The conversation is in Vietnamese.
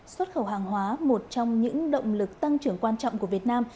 xuất khẩu hàng hóa một trong những động lực tăng trưởng quan trọng của việt nam